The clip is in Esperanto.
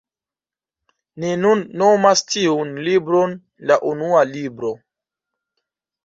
Ni nun nomas tiun libron la Unua Libro.